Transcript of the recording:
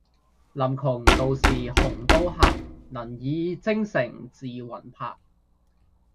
臨邛道士鴻都客，能以精誠致魂魄。